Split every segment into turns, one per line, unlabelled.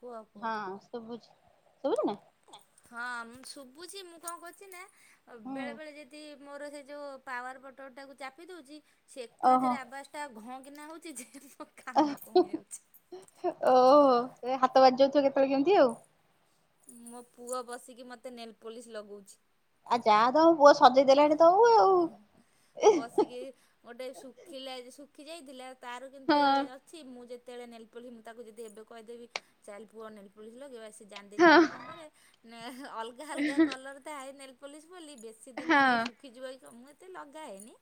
କୁହ କୁହ
ହଁ ଶୁଭୁଛି ଶୁଭୁଛି ନା
ହଁ ଆମ ଶୁଭୁଛି ମୁଁ କଣ କରୁଛି ନା
ହୁଁ
ବେଳେ ବେଳେ ଯଦି ମୋର ସେ ଯେଉଁ ପାୱାର ପଟରଟାକୁ ଚାପି ଦେଉଛି ସେ
ଓହୋ
ଏକାଥରେ ଆବାସଟା ଘଁ କିିନା ହେଉଛି ଯେ କାନ
ଓହୋ
କଣ ହେଇଯାଉଛି।
ହାତ ବାଜି ଯାଉଥିବ କେତେବେଳେ କେମିତି ଆଉ।
ମୋ ପୁଅ ବସିକି ମୋତେ ନେଲ ପଲିସ ଲଗଉଛି।
ଆଉ ଯାହା ତ ପୁଅ ସଜେଇଦେଲାଣି।
ବସିକି ଗୋଟେ ଶୁଖିଲା ଶୁଖି ଯାଇଥିଲା ତାର
ହଁ
କିନ୍ତୁ ଅଛି ମୁଁ ଯେ କେତେଳେ ନେଲ ପଲି ମୁଁ ତାକୁ ଯଦି ଏବେ କହିଦେବି ଚାଲ ପୁଅ ନେଲ୍ ପଲିସି ଲଗେଇବା ସେ ସେ ଜାଣିଦେଇଛି
ହଁ
ମୁଁ କଣ କରେ ଅଲଗା ଅଲଗା କଲର୍ ଥାଏ ନେଲ୍ ପଲିସ୍ ବୋଲି ବେଶୀ ଦିନି
ହଁ
ହେଲେ ଶୁଖିଯିବ ମୁଊ ଏତେ ଲଗାଏନି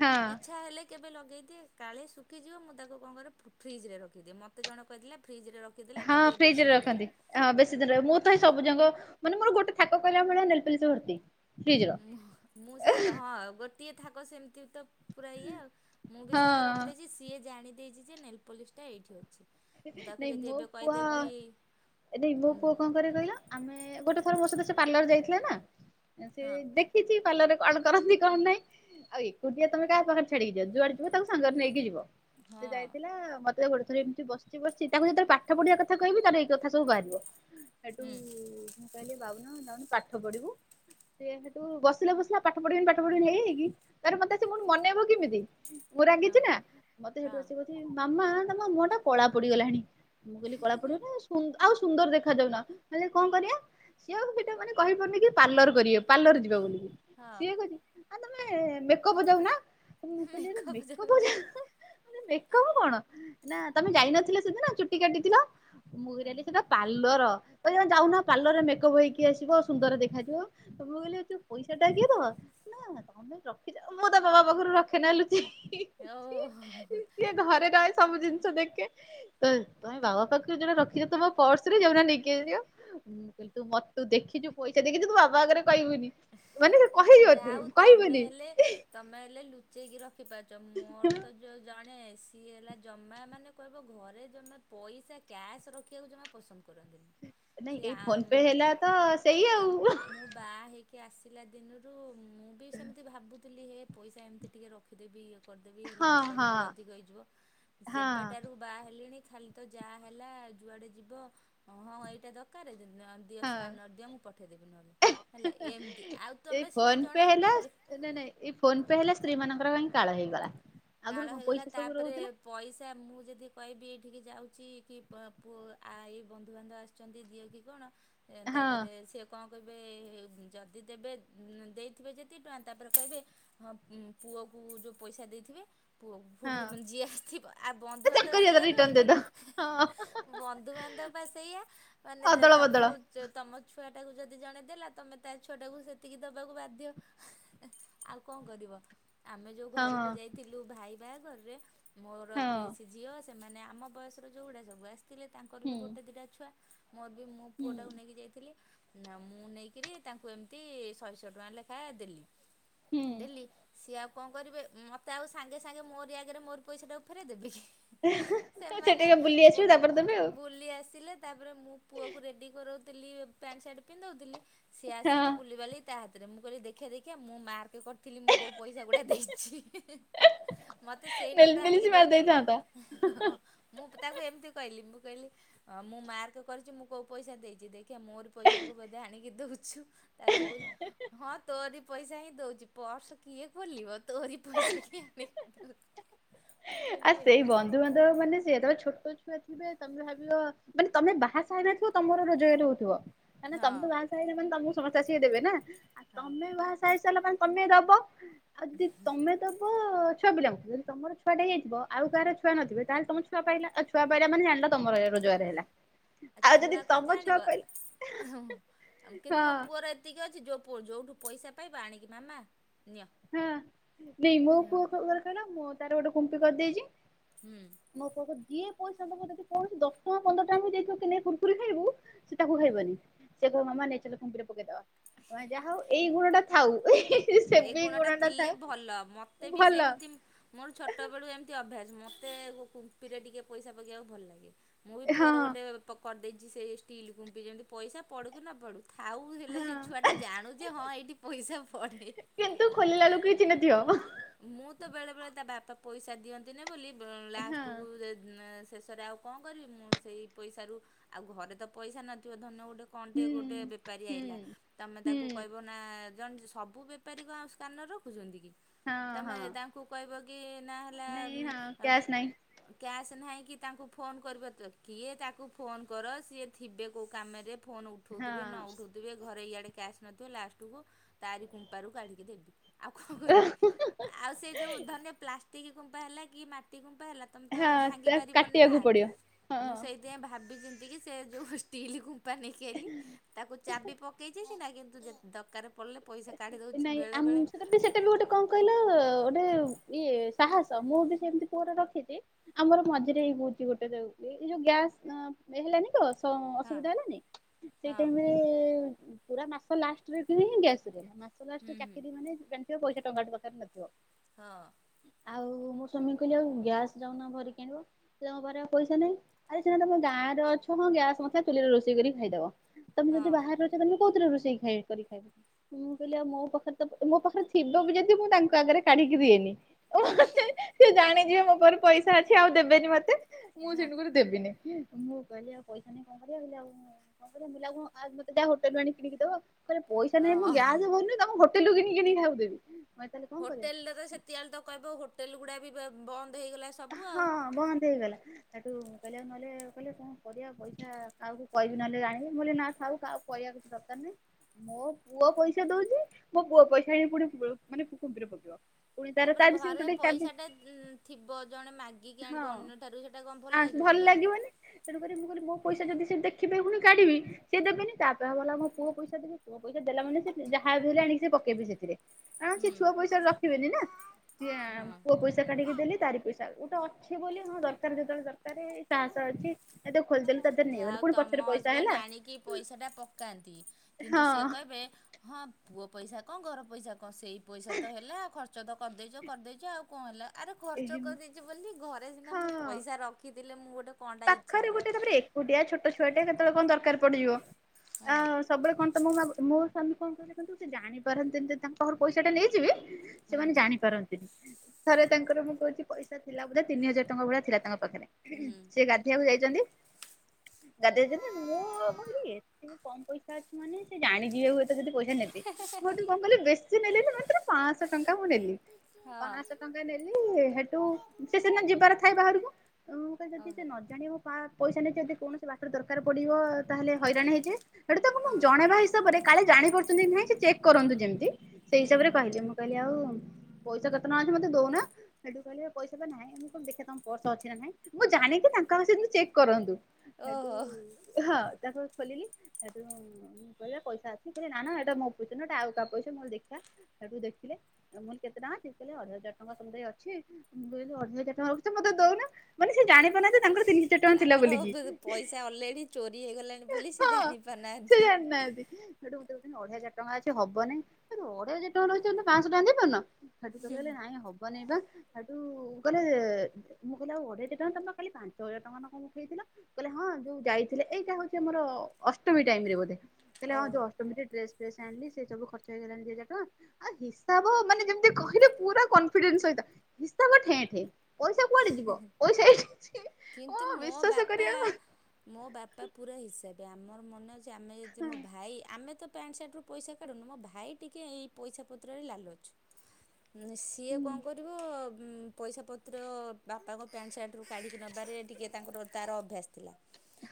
ହଁ
ଇଚ୍ଛା ହେଲେ କେବେ ଲଗେଇଦିଏ କାଳେ ଶୁଖିଯିବ ମୁଁ ତାକୁ କଣ କରେ ଫ ଫ୍ରିଜରେ ରଖିଦିଏ ମୋତେ ଜଣେ କହିଥିଲା ଫ୍ରିଜରେ ରଖିଦେଲେ
ହଁ
ଟିକେ
ଫ୍ରିଜ
ବେଶୀ
ରେ
ଦିନ ରୁହେ।
ରଖନ୍ତି ହଁ ବେଶୀ ଦିନ ରହିବ ମୁଁ ତ ହେଇ ସବୁ ଯାକ ମାନେ ମୋର ଗୋଟେ ଥାକ କହିଲା ଭଳିଆ ନେଲ୍ପଲିସ ଭର୍ତ୍ତି। ଫ୍ରିଜ ର
ମୁଁ ସେ ହଁ ଗୋଟିଏ ଥାକ ସେମିତି ତ ପୁରା ଇଏ ଆଉ ମୁଁ ବି
ହଁ
ସେଇଆ ରଖିଦେଇଛି ସିଏ ଜାଣି ଦେଇଛି ଯେ ନେଲ୍ପଲିସ୍ ଟା ଏଇଠି ଅଛି। ମୁଁ ତାକୁ
ନାଇଁ
ଯଦି
ମୋ
ଏବେ
ପୁଅ
କହିଦେବି
ଏ ମୋ
ଉଁ
ପୁଅ କଣ କରେ କହିଲ ଆମେ ଗୋଟେ ଥର ପାର୍ଲର୍ ଯାଇଥିଲେ ନା ସେ
ହଁ
ଦେଖିଛି ପାର୍ଲରରେ କଣ କରନ୍ତି କଣ ନାଇଁ ଆଉ ଏକୁଟିଆ ତମେ କାହା ପାଖରେ ଛାଡିକି ଯିବ ଯୁଆଡେ ଯିବ ତାଙ୍କୁ ସାଙ୍ଗରେ ନେଇକି ଯିବ।
ହଁ
ସେ ଯାଇଥିଲା ମତେ ଗୋଟେ ଥରେ ଏମିତି ବସି ବସିଛି ତାକୁ ଯେତେବେଳେ ପାଠ ପଢିବା କଥା କହିବି ତ ଏଇ କଥା ସବୁ ବାହାରିବ। ହେଠୁ
ହୁଁ
ମୁଁ କହିଲି ବାବୁନୁ ଯାଉନୁ ପାଠ ପଢିବୁ। ସେ ସେଠୁ ବସିଲା ବସିଲା ପାଠ ପଢିବିନି ପାଠ ପଢିବିନି ହେଇ ହେଇକି ତାପରେ ମତେ ଆସିକି ମନେଇବ କେମିତି? ମୁଁ
ହଁ
ରାଗିଛି ନା ମତେ ସେଠୁ
ହଁ
ଆସିକି କହୁଛି ମାମା ତମ ମୁହଁ ଟା କଳା ପଡିଗଲାଣି। ମୁଁ କହିଲି କଳା ପଡିବ ନା ସୁନ୍ଦର ଆଉ ସୁନ୍ଦର ଦେଖା ଯାଉନା ହେଲେ କଣ କରିବା? ସିଏ ଆଉ ସେଟା ମାନେ କହିପାରୁନି କି ପାର୍ଲର କରିବେ ପାର୍ଲର ଯିବା ବୋଲି
ହଁ
ସିଏ କହୁଚି ଆ ତମେ ମେକଅପ ଦୌ ନ। ମୁଁ କହିଲି
ମେକଅପ୍ ଯାଉନା
ମେକପ କଣ ନା ତମେ ଯାଇନଥିଲେ ସେଦିନ ଚୁଟି କାଟିଥିଲ ମୁଁ
ହଁ
ସେଟା ପାର୍ଲର ଏ ଯାଉନ ପାର୍ଲରରେ ମେକଅପ୍ ହେଇକି ଆସିବ ସୁନ୍ଦର ଦେଖାଯିବ ମୁ କହିଲି ଯଉ ପଇସା ଟା କିଏ ଦବ? ନାଇଁ ନାଁ ତମେ ରଖିଚ ମୁଁ ତା ବାବା ପାଖରୁ ରଖେ ନା ଲୁଚେଇକି।
ଓ
ସିଏ ଘରେ ରହେ ସବୁ ଜିନିଷ ଦେଖ ତ ତମେ ବାବା ପାଖରୁଣେ ରଖିଛ ତମ ପର୍ସରେ ଯ ନେଇକି ଆ ହୁଁ ମୁ କହିଲି ତୁ ମତେ ଦେଖିୁଚୁ ପଇସା ଦେଖୁଚୁ ତୁ ବାବା ଆଗରେ କହିବୁନି। ମାନେ ସେ କହିବ
ଯାଉ ତମେ
କହିବନି।
ହେଲେ ତମେ ହେଲେ ଲୁଚେଇକି ରଖିପାରୁଚ। ମୋର ତ ଯୋଉ ଜାଣେ ସିଏ ହେଲା ଜମା ମାନେ କହିବ ଘରେ ଜମା ପଇସା କ୍ୟାସ ରଖିବାକୁ ଜମା ପସନ୍ଦ କରନ୍ତିନି।
ନାଇଁ
ସେ
ଏଇ ଫୋନ ପେ
ଆମ୍
ହେଲା ତ ସେଇ ଆଉ
କିଏ ଆସିଲା ଦିନରୁ ମୁଁ ବି ସେମିତି ଭାବୁଥିଲି ହେ ପଇସା ଏମିତି ଟିକେ ରଖିଦେବି ଇଏ ବ ହେଲେ ମୋ
ହଁ
ପା
ହଁ ହଁ।
ବା ହେଣି ଖାଲି ତ ଯାହା ହେଲା ଯୁଆଡେ ଯିବ ହଁ ଏଇଟା ଦରକାର। ହଁ ଦିଅ
ହଁ
ସ୍କାନର ଦିଅ ମୁଁ ପଠେଇଦେବି ନ ହେଲେ ହେଲା କି?
ଏଇ ଫୋନ ପେ ହେଲା ନ ନାଇଁ ଏଇ ଫୋନ ପେ ହେଲା ସ୍ତ୍ରୀ ମଙ୍କର ପାଇଁ କାଳ ହେଇଗଲା। ଆଗରୁ
କାଳ
କଣ
ହେଇଗଲା
ପଇସା ସବୁ
ତାପରେ
ରହୁଥିଲା
ପଇସା ମୁଁ ଯଦି କହିବି ଉଠିକି ଯାଉଛି କି ବାପ ଆ ଏଇ ବନ୍ଧୁବାନ୍ଧବ ଆସିଛନ୍ତି ଦିଅ କି କଣ
ହଁ
ତାପରେ ସେ କଣ କହିବେ ଯଦି ଦେବେ ଦେଇଥିବେ ଯେତିକି ଟଙ୍କା ତାପରେ କହିବେ ହଁ ପୁଅକୁ ମୁଁ ଯେଉଁ ପଇସା ଦେଇଥିବି ପୁଅ
ହଁ।
ପୁଣି ମାନ ଯିଏ ଆସିଥିବ ଆଉ ବନ୍ଧୁବାନ୍ଧବ
ଚାକରି ଅଧା
ସେଇଆ ନୁହଁ
ରିଟର୍ଣ
କି
ଦେଇଦ ହଁ
ବନ୍ଧୁବାନ୍ଧବ ବା ସେଇଆ ମାନେ
ଅଦଳ ବଦଳ
ତମ ତମ ଛୁଆଟାକୁ ଯଦି ଜଣେ ଦେଲା ତମେ ତା ଛୁଆଟାକୁ ସେତିକି ଦବାକୁ ବାଧ୍ଯ ଆଉ କଣ କରିବ? ଆମେ ଯେଉଁ
ହଁ
ଘରକୁ ଯାଇଥିଲୁ ଭାଇ ବାହାଘରରେ ମୋର
ହଁ
ପିଇସି ଝିଅ ମାନେ ଆମ ବୟସର ଯୋଉଗୁଡା ସବୁ ଆସିଥିଲେ ତାଙ୍କର ବି
ହୁଁ
ଗୋଟେ ଦିଟା ଛୁଆ ମୋର ବି ମୋ
ହୁଁ
ପୁଅଟାକୁ ନେଇକି ଯାଇଥିଲି ନା ମୁଁ ନେଇକରି ତାଙ୍କୁ ଏମିତି ଶହେ ଶହେ ଟଙ୍କା ଲେଖାଏ ଦେଲି
ହୁଁ
ଦେଲି ସିଏ ଆଉ କଣ କରିବେ ମ ତ ଆଉ ସାଙ୍ଗେ ସାଙ୍ଗେ ମୋରି ଆଗରେ ମୋରି ପଇସା କୁ ଫେରେ ଦେବି କି
ସେ
ସେମାନେ
ଟିକେ ବୁଲି
ବୁ
ଆସିବେ ତାପରେ ଦେବେ ଆଉ।
ବୁଲି ଆସିଲେ ତାପରେ ମୁଁ ପୁଅକୁ ରେଡ଼ି କରାଉଥିଲି ପ୍ୟାଣ୍ଟ ସାର୍ଟ ପିନ୍ଧଉଥିଲି ସିଏ ଆସିକି
ହଁ
ବୁଲିବାଲିି ତା ହାତରେ ମୁଁ କହିଲି ଦେଖି ଦେଖିଆ ମୁଁ ମାର୍କେ କରିଥିଲି ମୁଁ କୋଉ ପଇସା ଗୁଡା ଦେଇଥିଛି ମତେ ସେଇ
ନେଲ
ନୋଟ
ପଲିସ
ଆଣିକି
ମାରି
ଦଉଛୁ ନା
ଦେଇଥାନ୍ତା
ମୁଁ ତାକୁ ଏମିତି କହିଲି ମୁଁ କହିଲି ମୁଁ ମାର୍କ କରିଛି ମୁଁ କୋଉ ପଇସା ଦେଇଛି ଦେଖିବା ମୋରି ପଇସାକୁ ବ ଆଣିକି ଦଉଛୁ ତାର ସେ କହୁଛି ହଁ ତୋରି ପଇସା ହିଁ ଦଉଛି ପର୍ସ କିଏ ଖୋଲିବ ତୋରି ପଇସା କିଏ ଆଣିକି ଦଉଛି। ମୁଁ
ଆ
କହିଲି
ସେଇ
ହେ ଭଗ୍
ବନ୍ଧୁବାନ୍ଧବ ମାନେ ସିଇଆ ତମେ ଛୋଟ ସେ ଥିବେ ତମେ ଭାବିବ ମାନେ ତମେ ବାହା ସାହା ହେଇ ନଥିବ ତମର ରୋଜଗାର ହଉଥିବ। ନାଇ ତମେ ତ
ହଁ।
ବାହା ସାହା ହେଇନ ମାନେ ତମକୁ ସମସ୍ତେ ଆସିକି ଦେବେ ନା ଆଉ
ହଉ
ତମେ ବାହାସାହା ହେଇ ଚାଲ ତମେ ଦବ ଆଉ ଯଦି ତମେ ଦବ ଛୁଆ ପିଲାଙ୍କୁ ଯଦି ତମର ଛୁଆଟେ ହେଇଥିବ ଆଉ କାହାର ଛୁଆ ନଥିବ ତାହେଲେ ତମ ଛୁଆ ପାଇଲା ଆଉ ଛୁଆ ପାଇଲା ମାନ ଜାଣିଲ ତମର ହେଇଗ ରୋଜଗାର ହେଲା ଆଉ ଯଦି
ଛୁଆ କଣ
ତମ ଛୁଆ
ଜାଣିବ
ପାଇ
କିନ୍ତୁ ମୋ ପୁଅର ଏତିକି ଅଛି ଯୋଉ ଯୋଉଠୁ ପଇସା ପାଇବା ଆଣିକି ମାମା ନିଅ।
ହଁ ନାଇଁ ମୋ ପୁଅ କଣ କରେ କହିଲ ମୁଁ ତାର ଗୋଟେ କୁମ୍ପି କରିଦେଇଛି
ହୁଁ
ମୋ ପୁଅ ଯିଏ ପଇସା ତାମ ଯଦି କୌଣସି ଦଶ ଟଙ୍କା ପନ୍ଦର ଟଙ୍କା ବି ଦେଇଥିବ ନେ କି କୁୁରକୁରି ଖାଇବୁ ସେ ତାକୁ ଖାଇବନି। ସେ କହ ମାମା ନେଲ ଚାଲ କୁମ୍ପି ରେ ପକେଇଦବା ଯାହା ହଉ ଏଇ ଗୁଣ ଟା ଥାଉ।
ଏଇ ଗୁଣ ଟା ଥିଲେ ଭଲ ମତେ ବି
ଭଲ।
ସେମତି ମୋର ଛୋଟ ବେଳୁ ଏମିତି ଅଭ୍ୟାସ ମତେ କୁମ୍ପିରେ ଟିକେ ପଇସା ପକେଇବାକୁ ଭଲ ଲାଗେ ମୁଁ ବି
ହଁ
ପୁଅର ଗୋଟେ କରିଦେଇଛି ସେ ଷ୍ଟିଲ୍ କୁମ୍ପି ଯେମିତି ପଇସା ପଡୁକି ନ ପଡୁ ଥାଉ ହେଲେ ସେ
ହଁ
ଛୁଆଟା ଜାଣୁ ଯେ ହଁ ଏଇଠି ପଇସା ପଡ଼େ।
କିନ୍ତୁ ଖୋଲୀଳା ବେଳକୁ କିଛି ନଥିବ।
ମୁଁ ତ ବେଳେ ବେଳେ ତା ବାପା ପଇସା ଦିଅନ୍ତିନି ବୋଲି
ହଁ
ଲାଷ୍ଟକୁ ଏ ଶେଷରେ ଆଉ କଣ କରିବି ମୁଁ ସେଇ ପଇସାରୁ ଆଉ ଘରେ ତ ପଇସା ନଥିବ ଧନ ଗୋଟେ ଏ କଣ
ହୁଁ
ଟିକେ ଗୋଟେ ବେପାରୀ
ହୁଁ।
ଆଇିଲା ତମେ
ହୁଁ
ତାକୁ କହିବ ନା ଜଣେ ସବୁ ବେପାରୀ କ ଆ ସ୍କାନର ରଖୁଛନ୍ତି କି
ହଁ
ତମେ
ହଁ
ତାଙ୍କୁ କହିବ କି ନାଁ ହେଲା
ନାଇଁ ହଁ କ୍ୟାସ୍ ନାଇଁ
କ୍ୟାସ୍ ନାହିଁ କି ତାଙ୍କୁ ଫୋନ କର ତ କିଏ ତାକୁ ଫୋନ କର ସିଏଥିବେ କୋଉ କାମରେ ଫୋନ ଉଠୋଉ ଥିବେ ନ
ହଁ।
ଉଠୋଉ ଥିବେ ଘରେ ଇଆଡ଼େ କ୍ୟାସ୍ ନଥିବ ଲାଷ୍ଟକୁ ତାରି କୁମ୍ପାରୁ କାଢ଼ିକି ଦେବି ଆଉ କଣ କରିବି। ଆଉ ସେ ଯୋଉ ଧନିୟ ପ୍ଲାଷ୍ଟିକ୍ କୁମ୍ପା ହେଲା କି ମାଟି କୁମ୍ପା ହେଲା ତମେ ତ
ହଁ
ଭାଙ୍ଗି
ତା
ପାରିବନି ନା
କାଟିବାକୁ ପଡିବ
ମୁଁ
ହଁ
ସେଇଥିପାଇଁ ଭାବି ଚି ଏତିକି ସେ ଯେଉଁ ଷ୍ଟିଲ୍ କମ୍ପା ନେଇକି ଆଇଲି ତାକୁ ଚାବି ପକେଇଛି ସିନା କିନ୍ତୁ ଯେତେ ଦରକାର ପଡ଼ିଲେ ପଇସା କାଢ଼ି ଦଉଛି
ନାଇଁ
ବେଳେ
ଆମ
ବେଳେ
ସେଟା ସେଟା ବି ଗୋଟେ କଣ କହିଲ ଗୋଟେ ଇଏ ସାହସ ମୁଁ ବି ସେମିତି ପୁଅ ରଖିଛି ଆମର ମଝିରେ ହେଇ ହହୁଛି ଗୋଟେ ଯୋ ଏଇ ଯୋଉ ଗ୍ୟାସ ହେଇ ଗଲାଣି ତ
ହଁ
ଅସୁବିଧା ହେଲାନି ସେଇ
ହଁ
ଟାଇମରେ ପୁରା ମାସ ଲାଷ୍ଟେ ରେ କିଣା ହେଲା ଗ୍ୟାସ ମାସ ଲଷ୍ଟ ରେ
ହୁଁ ହୁଁ
ଚାକିର ମାନେ ଜଣିଥିବା ପଇସା ଟଙ୍କା ଟେ ପାଖରେ ନଥିବ
ହଁ
ଆଉ ମୋର ସ୍ୱାମୀ କହିଲି ଆଉ ଗ୍ୟାସ ଯାଉନ ଭରିକି ଆଣିବ ମୋ ପାଖରେ ଆଉ ପଇସା ନାହିଁ ଆରେ ସିନା ତମେ ଗାଁରେ ଅଛ ହଁ ଗ୍ୟାସ୍ ନଥିବ ଚୁଲିରେ ରୋଷେଇ କରି ଖାଇଦବ ତମେ ଯଦି
ହଁ
ବାହାରେ ଅଛ ତମେ କୋଉଥିରେ ରୋଷେଇ ଖାଇ ରୋଷେଇ କରିକି ଖାଇ ମୁଁ କହିଲି ଆଉ ମୋ ପାଖରେ ତ ମୋ ପାଖରେ ଥିବ ବି ଯଦି ମୁଁ ତାଙ୍କ ଆଗରେ କାଢିକି ଦିଏନି। ଓ ସେ ଜାଣିଯିବେ ମୋ ପ ପଇସା ଅଛି ଆଉ ଦେବେନି ମତେ ମୁଁ ସେଠୁ କରି ଦେବିନି। ମୁଁ କହିଲି ପଇଶା ନାହିଁ କଣ କରିବା କହିଲି ଆଉ କଣଁ ମୋତେ ଯାହା ହୋଟେଲରୁ ଆଣି କିଣିକି ଦବ। ପାଖରେ ପଇସା ନାହିଁ
ହଁ
ମୁଁ
ହଁ
ଗ୍ୟାସ ଭରିନି ତମକୁ ହୋଟେଲରୁ କିଣି କିଣିି ଖାଈବାକୁ ଦେବୀ।
ହୋଟେଲରେ ତ ସେତିଳେ ତ କହିବ ହୋଟେଲ ଗୁଡା ବି ବନ୍ଦ ହେଇଗଲା ସବୁ ଆଉ।
ହଁ ବନ୍ଦ ହେଇଗଲା ହେଠୁ କହିଲେ ନହେଲେ କହିଲେ କଣ କରିବା ପଇସା କାହାକୁ କହିବି ନହେଲେ ଆଣିବି ମୁଁ କହିଲ ନା କରିବା କିଛି ଦରକାର ନାହିଁ। ମୋ ପୁଅ ପଇସା ଦଉଛି ମୋ ପୁଅ ପଇସା ହେ ପୋଣି ରେ ମାନେ କୁମ୍ପି ପକିବ।
ତାପରେ ଘରେ ପଇସାଟା ଇ ଥିବ। ଜଣେ ମାଗିକି
ହଁ
ଆଣିବ ଅନ୍ୟ ଠାରୁ ସେଇଟା କଣ ଭଲ
ଆର୍ଟସ
ଲାଗିବ କି ଆଉ।
ଲାଗିବନି ତେଣୁ କରି ମୁଁ କହିଲି ମୋ ପଇସା ଯଦି ସେ ଦେଖିବେ ପୁଣି କାଢିବି ସେ ଦେବେନି ତାପରେ ହେବଲା ପୁଅ ପଇସା ଦେବେ ପୁଅ ପଇଶା ଦେଲା ମାନେ ସେ ଯାହା ଖାଇବୁ [unintelligible] ଆଣିକି ସେ ପକେଇବି ସେଥିରେ କାରଣ ସିଏ
ହୁଁ
ଛୁଆ ପଇସା ରଖିବେନି ନା ସିଏ
ହଁ
ପୁଅ ପଇସା କାଢିକି ଦେଲି, ତାରି ପଇସା ଗୋଟେ ଅଛି ବୋଲି ହଁ ଦରକାର ଯେତେବେଳେ ଦରକାର ତାରେ ସାହସ ଅଛି ନା ତାକୁ ଖୋଲିଦେଲୁ ତା ଦେହରେ
ଯାହା
ନେଇଗଲେ
ହଉ
ପୁଣି
ତମ
ପଛରେ ପଇସା ହେଲା
ନ୍ତୀ କିନ୍ତୁ ସିଏ
ହଁ
କହିବେ ହଁ ପୁଅ ପଇସା କଣ ଘର ପଇସା କଣ ସେଇ ପଇସା ତ ହେଲା ଆଉ ଖର୍ଚ୍ଚ ତ କରିଦେଇଛ କରିଦେଇଛ ଆଉ କଣ ହେଲା। ଆର ଖର୍ଚ୍ଚ କରିଦେଇଛି ବୋଲି ଘରେ ସିନା
ହଁ
ମୁଁ ପଇସା ରଖିଥିଲେ ମୁଁ ଗୋଟେ କଣଟା ଇଚ୍ଛା
ପାଖରେ
ହେଲା
ଗୋଟେ ତାପରେ, ଏକୁଟିଆ ଛୋଟ ଛୁଆଟେ କେତେବେଳେ କଣ ଦରକାର ପଡିଯିବ। ଆ
ହଁ
ସବୁବେଳେ କଣ ତ ମୁଁ ସ୍ଵାମୀ କଣ କହିଲେ କିନ୍ତୁ ସେ ଜାଣି ପାରନ୍ତିନି ଯେ ତାଙ୍କ ଘରୁ ପଇସା ଟା ନେଇଯିବେ
ହୁଁ
ସେମାନେ ଜାଣିପାରନ୍ତିନି। ଥରେ ତାଙ୍କର ମୁଁ କହୁଛି ପଇସା ଥିଲା ବୋଧେ ତିନି ହଜାର ଟଙ୍କା ଭଳିଆ ଥିଲା ତାଙ୍କ ପାଖରେ
ହୁଁ।
ସେ ଗାଧୋଇବାକୁ ଯାଇଛନ୍ତି। ଗାଧେ ଜନ୍ତେ ମୁଁ ଏତେ କମ ପଇସା ଅଛି ମାନେ ସେ ଜାଣିଯିବେ ବୋଧେ ଯଦି ପଇସା ନେବି ମୁଁ ହେଇଠୁ ତ କଣ କଲି ବେଶୀ ନେଲିନି ମାତ୍ର ପାଂଶଟଙ୍କା ମୁଁ ନେଲି।
ହଁ।
ପାଂଶ ଟଙ୍କା ନେଲି ହେଠୁ ସେ ସିନା ଯିବାର ଥାଏ ବାହାରକୁ ସେ
ଓହୋ
ନ ଜାଣିବ ପା ପଇସା ନେଇ ଯଦି କୌଣସି ବାଟରେ ଦରକାର ପଡିବ ତାହେଲେ ହଇରାଣ ହେଇଯିବେ। ସେଠୁ ତାଙ୍କୁ
ହୁଁ
ଜଣେଇବା ହିସାବରେ କାଳେ ଜାଣି ପାରୁଛନ୍ତି କି ନାଇଁ ସେ ଚେକ୍ କରନ୍ତୁ ଯେମିତି ସେଇ
ହୁଁ
ହିସାବରେ କହିଲି। ମୁଁ ଆଉ ପଇସା କେତେ ଟଙ୍କା ଅଛି ମୋତେ ଦଉନ ସେଠୁ କହିଲେ ପଇସା ତ ନାହିଁ ମୁଁ କ ଦେଖିବା ତମ ପର୍ସ ଅଛି ନାହିଁ ମୁଁ ଜାଣି ତାଙ୍କ ସହିତ ଚେକ୍ କରନ୍ତୁ ସେଠୁ
ଓହୋ।
ହଁ ତାଙ୍କ ଖୋଲିଲି ସେଠୁ ମୁଁ କହିଲେ ପଇସା ଅଛି କହିଲି ନା ନା ଏଟା ମୋ ପଇଶା ନୁହେଁ ଆଉ କା ପଇସ ଦେଖିବା ସେଠୁ ଦେଖିଲେ। ତମର କେତେ ଟଙ୍କ ଅଛି ଅଢ଼େଇ ହଜାର ଟଙ୍କା ତମ ଦେଇ ଅଛି। ଅଢ଼େଇ ହଜାର ଟଙ୍କା ରଖିଛ ମତେ ଦଉନା ମାନେ ସେ ଜାଣିି
ତାଙ୍କର ପଇସା ଅଲରେଡି ଚୋରି ହେଇଗଲାଣି ବୋଲି ସେ ଜାଣି ପାରୁନାହାନ୍ତି।
ନାନ୍ତି ହେଠୁ ଅଢେଇ ହଜାର ଟଙ୍କା ଅଛି ହବନି। ଅଢେଇ ହଜାର ଟଙ୍କା ରଖିଛ ମୋତେ ପାଂଶଟଙ୍କା ଦେଇ ପରୁନ ହେ ଠୁ କହିଲେ ହ ହବନାଇଁ ବାଠୁ କହେ ମୁଁ କହିଲ ଆଉ ଅଢେଇ ଦେଇ ଟଙ୍କା ତମ କାଲି ପାଞ୍ଚ [unintelligible] ହଜାର ଟଙ୍କା କ [unintelligible] ଖଥିଲା କହିଲେ ହଁ ଯୋଉ ଯାଇଥିଲେ ଏଇଟା ହଉଛି ଆମର ଅଷ୍ଟମୀ ଟାଇମ ରେ, ବୋଧେ ହେଲେ ହ
ଓହୋ
ଯଷ୍ଟ [unintelligible] ଡ୍ରେସ ଆଣିଲ ସେ ସବୁ ଖର୍ଚ୍ଚ ହେଇଗଲାଣି ଦି ହଜାର ଟଙ୍କା। ଆଉ ହିସାବ ମାନେ ଯେମିତି କହିଲେ ପୁରା କନିଡେନ୍ସ ସ ହିସାବ ଠେଁ ଠେଁ ପଇସା କୁଆଡେ ଯିବ ପଇସା ଏଇଠି ଅଛି।
କିନ୍ତୁ
ଓ
ମୋ
ବିଶ୍ଵାସ
ବାପା
କରିବା
ମୋ ବାପା ପୁରା ହିସାବି ଆମର ମନେ ଯେ ଆମେ ଯଦି
ହଁ
ମୋ ଭାଇ ଆମେ ତ ପ୍ୟାଣ୍ଟ ସାର୍ଟ ରୁ ପଇସା କାଢୁନୁ ମୋ ଭାଇ ଟିକେ ଏଇ ପଇସା ପତ୍ରରେ ଲାଲୁଛ ସିଏ କଣ କରିବ ପଇସା ପତ୍ର ବାପାଙ୍କ ପ୍ୟାଣ୍ଟ ସାର୍ଟରୁ କାଢ଼ିକି ନେବାରେ ଟିକେ ତାଙ୍କର ତାର ଅଭ୍ୟାସ ଥିଲା।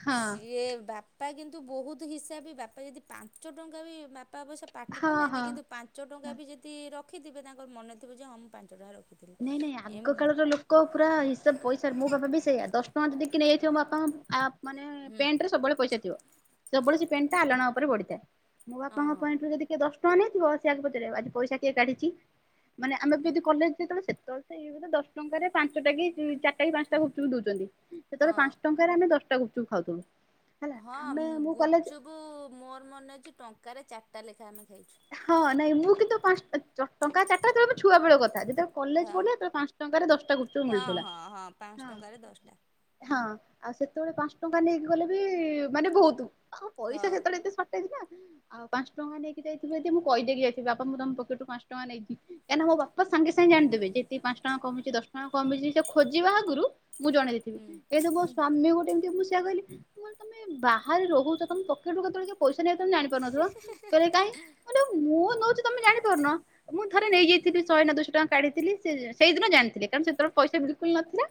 ହଁ
ସିଏ ବାପା କିନ୍ତୁ ବହୁତ ହିସାବି ବାପା ଯଦି ପାଞ୍ଚ ଟଙ୍କା ବି ବା ପା ଅବଶ୍ୟ ପାଠ
ହଁ
ପଢିନାହାଁନ୍ତି କିନ୍ତୁ
ହଁ
ପାଞ୍ଚ ଟଙ୍କା ବି ଯଦି ରଖିଥିବେ ତାଙ୍କର ମନେଥିବ ଯେ ହଁ ମୁଁ ପାଞ୍ଚ ଟଙ୍କା ର
ନାଇଁ ନାଇଁ ଆଗ କାଳର ଲୋକ ପୁରା ହିସାବ ପଇସାରେ ମୋ ବାପା ବି ସେଇଆ ଦଶ ଟଙ୍କା ଯଦି କି ନେଇ ଯାଇଥିବ ମୋ ବାପାଙ୍କ ଆ ମାନେ
ହୁଁ
ପେଣ୍ଟରେ ସବୁବେଳେ ପଇସା ଥିବ ସବୁବେଳେ ସେ ପେଣ୍ଟ ଟା ଆଲଣା ଉପରେ ପଡିଥାଏ। ମୋ
ହଁ
ବାପାଙ୍କ
ହଁ
ପେଣ୍ଟରୁ ଯଦି କିଏ ଦଶ ଟଙ୍କା ନେଇଥିବ ସେ ଆଗପଚାରିବେ ଆଜି ପଇସା କିଏ କାଢିଚି। ମାନେ ଆମେ ଯଦି କଲେଜ ଯେତେବେଳେ ସେତେବେଳେ ସେ ଦଶ ଟଙ୍କାରେ ପାଞ୍ଚଟା କି ଚାରଟା କି ପାଞ୍ଚଟା ଗୁପଚୁପ ଦଉଚନ୍ତି। ସେତେବେଳେ
ହଁ।
ପାଞ୍ଚ ଟଙ୍କାରେ ଆମେ ଦଶଟା ଗୁପଚୁପ୍ ଖାଉଥିଲୁ। ହେଲା
ହଁ
ଆମେ ମୁଁ କଲେଜ
ଗୁପଚୁପୁ ମୋର ମନେ ଅଛି ଟଙ୍କାରେ ଚାରଟା ଲେଖାଏ ଆମେ ଖାଇଛୁ।
ହଁ ନାଇଁ ମୁଁ କିନ୍ତୁ ପାଞ୍ଚ ଟଙ୍କାଟା ଚାରଟା ଯେତବଳେ ମୁଁ ଛୁଆ ବେଳ କଥା ଯେତେବେଳେ କଲେଜ
ହଁ
ପଢିଲା ସେତବଳେ ପାଞ୍ଚ ଟଙ୍କାରେ ଦଶଟା ଗୁପଚୁପ୍
ହଁ
ମିଳୁଥିଲା
ହଁ ପାଞ୍ଚ
ହଁ
ଟଙ୍କାରେ ଦଶଟା
ହଁ ଆଉ ସେତବଳେ ପାଞ୍ଚ ଟଙ୍କା ନେଇକି ଗଲେ ବି ମାନେ ବହୁତ ହଁ ପଇସା ସେତେବେଳେ ଏତେ ଟେଜ୍ ନା ଆଉ ପାଞ୍ଚ ଟଙ୍କା ନେଇକି ଯାଇ ମୁଁ ଯଦି ମୁଁ କହି ଦେଇକି ଯାଇଥିବି ବାପା ମୁଁ ତମ ପକେଟରୁୁ ପାଞ୍ଚ ଟଙ୍କା ନେଇଛି କାହିଁକ ନା ମୋ ବାପ ସାଙ୍ଗେ ସାଙ୍ଗ ଜାଣିଦେବେ ଯେତିକ ପାଞ୍ଚ ଟଙ୍କା କମିଛି ଦଶ ଟଙ୍କା କମିଛି ସେ ଖୋଜିବା ଆଗରୁ ମୁଁ ଜଣେଇ ଦେଇଥିବି
ହୁଁ
ଏ ତ ମୋ ସ୍ଵାମୀ ଗୋଟେ ଏମିତି ସେଇଆ କହିଲି ତମେ ବାହାରେ ରହୁଛ ତମେ ପକେଟରୁୁ କେତବଳେ କିଏ ପଇସା ତମେ ଜାଣିପାରୁନଥିବ କହିଲେ କାହିଁ ମୁଁ ନଉଛି ତମେ ଜାଣିପାରୁନ ମୁଁ ଥରେ ନେଇଯାଇଥିଲି ଶହେ ନା ଦୁଇଶ ଟଙ୍କା କାଢିଥିଲି ସେଇଦିନ ଜାଣି କାରଣ ସେତେବେଳେ ପଇସା ବିଲକୁଲ ନଥିଲା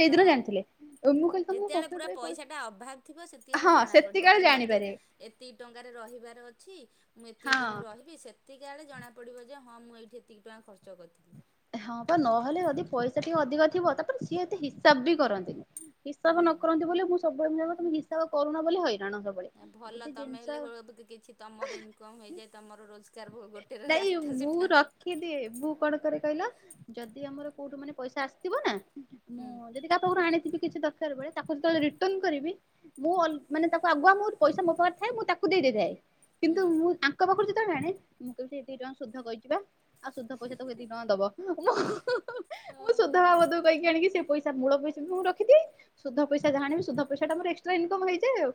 ସେଇଦିନ
ହଁ।
ଜାଣିଥିଲେ। ମୁଁ କହିଲି ତମକୁ
ଯେତେବେଳେ ପୁରା
ପକେଟରେ
ପଇସା ଟା ଅଭାବ ଥିବ ସେତିକିବେଳେ
ହଁ
ଜଣାପଡିବ
ସେତିକାଳେ
କି ମତେ
ଜାଣିପାରେ
ଏତିକି ଟଙ୍କାରେ ର ରହିବାର ଅଛି ମୁଁ ଏତିକି
ହଁ
ଦିନ ରହିବି ସେତିକିଆଳେ ଜଣାପଡ଼ିବ ଯେ ହଁ ମୁଁ ଏଇଠି ଏତିକି ଟଙ୍କା ଖର୍ଚ୍ଚ କରିଥିଲି।
ହଁ ବା ନହେଲେ ଯଦି ପଇସା ଟିକେ ଅଧିକ ଥିବ ତାପରେ ସିଏ ଏତେ ହିସାବ ବି କରନ୍ତିନି। ହିସାବ ନ
ହଁ
କରନ୍ତି ବୋଲି ମୁଁ ସବୁଳେ ତମେ ହିସାବ କରୁନ ବୋଲି ହ ରାଣ ହବ ହେ
ହଁ ଭଲ
ଯଦି
ତମେ
ଜିନିଷ
ହେଲେ କିଛି ତମର ଇନକମ୍ ହେଇଯାଏ ତମର ରୋଜଗାର ଗୋଟେର
ଏଇ
ରାସ୍ତା
ମୁଁ
ସେଟା
ରଖିଦିଏ ମୁଁ କଣ କରେ କହିଲ ଯଦି ଆମର କୋଉଠୁ ମାନେ ପଇସା ଆସିଥିବ ନା ମୁଁ
ହୁଁ
ଯଦି କାହା ପାଖରୁ ଆଣିଥିବି କିଛି ଦରକାର ବଳେ ତାକୁ ଯେତେବେଳେ ରିଟର୍ଣ୍ଣ କରିବି ମୁଁ ମାନେ ତାକୁ ଆଗୁଆ ମୁଁ ପଇସା ମୋ ପାଖରେ ଥାଏ ମୁଁ ତାକୁ ଦେଇ ଦେଇଥାଏ। କିନ୍ତୁ
ହୁଁ
ମୁଁ ଆଙ୍କ ପାଖରୁ ଯେତବଳେ ଆଣେ ମୁଁ କହିବି ସେ ଏତିକି ଟଙ୍କା ସୁଧ କହିିଚି ବା ଆଉ ସୁଧ ପଇସା ତାକୁ ଏ ବ
ଓ
ମୁଁ ସୁଧ ବାବଦକୁ କହିିକି ଆଣିକି ସେ ପଇସା ମୂଳ ପଇସା ବି ମୁଁ ରଖିଦିଏ ସୁଧ ପଇସା ଯାହା ଆଣିବି ସୁଧ ପଇସାଟା ମୋର ଏକ୍ସଟ୍ରା ଇନକମ୍ ହେଇଯାଏ ଆଉ।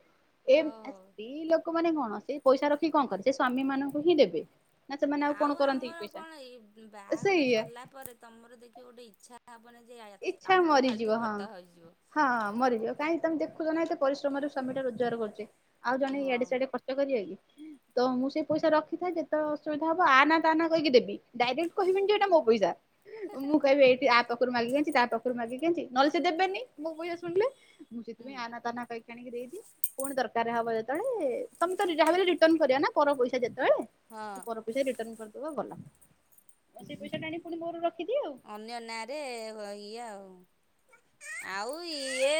ଏ
ଓ
ସ୍ତ୍ରୀ ଲୋକମାନେ କଣ ସେ ପଇସା ରଖିକି କଣ କରେ ସେ ସ୍ଵାମୀ ମାନଙ୍କୁ ହିଁ ଦେବେ। ନା ସେମାନେ ଆଉ କଣ କରନ୍ତି
ଆମର
ପଇସା
କଣ ଏଇ ବାହାଘର
ସେଇଆ
ସରିଲା ପରେ ତମର ଦେଖିବ ଗୋଟେ ଇଚ୍ଛା ହବନି ଯେ
ଇଚ୍ଛା
ଆଲତୁ ଫାଲତୁ
ମରିଯିବ ହଁ
ଖର୍ଚ୍ଚ ହେଇଯିବ
ହଁ ମରିଯିବ କାହିଁକି ତମେ ଦେଖୁଛ ନା ଏତେ ପରି ଶ୍ରମରେ ସ୍ୱାମୀଟା ରୋଜଗାର କରୁଚି ଆଉ ଜଣେ
ହଁ
ଇଆଡେ ସିଆଡେ ଖର୍ଚ୍ଚ କରିବ କି? ତ ମୁଁ ସେଇ ପଇସା ରଖିଥାଏ ଯେତେବଳେ ଅସୁବିଧା ହବ ଆ ନାଁ ତା ନାଁ କହିକି ଦେବି। ଡାଇରେକ୍ଟ କହିବିନି ଯେ ଏଇଟା ମୋ ପଇସା ମୁଁ କହିବି ଏଇଟି ଆ ପାଖରୁ ମାଗିକି ଆଣି ମାଗିକି ଆଣିଚି ନହଲେ ସେ ଦେବେନି ମୋ ପଇସା ଶୁଣିଲେ ମୁଁ
ହୁଁ
ସେଥିପାଇଁ ଆ ନାଁ ତା ନାଁ କହିକି ଆଣିକି ଦେଇଦିଏ ପୁଣି ଦରକାର ହବ ଯ ବଳେ ତମେ ତ ଯାହା ବି ହେଲେ ରିଟର୍ଣ୍ଣ କରିଆ ନା ପର ପଇସା ଯେ ବଳେ
ହଁ
ପର ପଇସା ରିଟର୍ଣ୍ଣ କରିଦବ ଭଲ। ରଖିଦିଏ ଆଉ।
ଅନ୍ୟ ନାଁରେ ଇଏ ଆଉ ହଁ ଆଉ ଇଏ